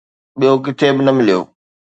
ٻيو ڪٿي به نه مليو.